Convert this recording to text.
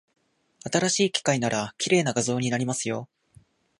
新しい機械なら、綺麗な画像になりますよ。